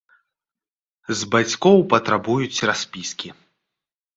З бацькоў патрабуюць распіскі.